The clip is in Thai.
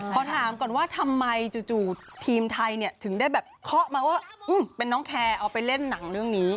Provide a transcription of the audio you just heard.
พอถามก่อนว่าทำไมจู่ทีมไทยเนี่ยถึงได้แบบเคาะมาว่าเป็นน้องแคร์เอาไปเล่นหนังเรื่องนี้